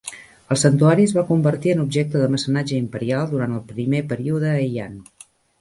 El santuari es va convertir en objecte de mecenatge imperial durant el primer període Heian.